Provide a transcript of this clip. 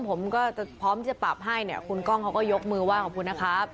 ผมก็จะพร้อมที่จะปรับให้เนี่ยคุณกล้องเขาก็ยกมือไห้ขอบคุณนะครับ